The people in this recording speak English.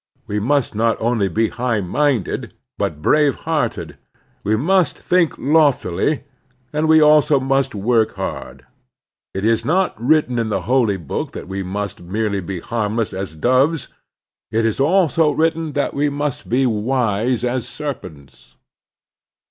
We must not only be high minded, but brave hearted. We must think loftily, and we must also work hard. It is not written in the Holy Book that we must merely be harmless as doves. It is also written that we must be wise as serpents.